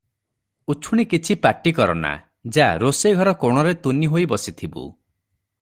ଉଛୁଣି କିଛି ପାଟି କର ନା – ଯା, ରୋଷେଇଘର କୋଣରେ ତୁନି ହୋଇ ବସିଥିବୁ ।”